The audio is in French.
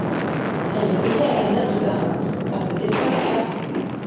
Elle est reliée à la mer de Barents par le détroit de Kara.